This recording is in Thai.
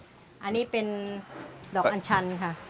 อันนี้เป็นดอกอัญชันค่ะ